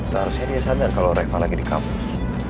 seharusnya dia sadar kalau reva lagi di kampus